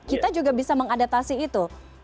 kita juga bisa mengadaptasi itu